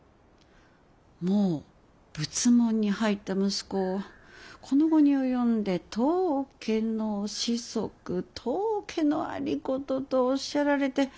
もう仏門に入った息子をこの期に及んで当家の子息当家の有功とおっしゃられて。